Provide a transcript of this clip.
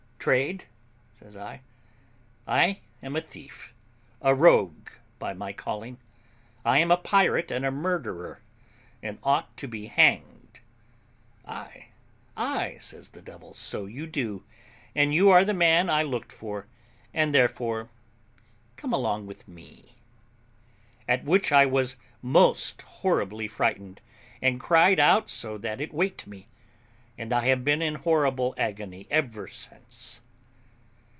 'Trade?' says I; 'I am a thief, a rogue, by my calling: I am a pirate and a murderer, and ought to be hanged.' 'Ay, ay,' says the devil, 'so you do; and you are the man I looked for, and therefore come along with me.' At which I was most horribly frighted, and cried out so that it waked me; and I have been in horrible agony ever since."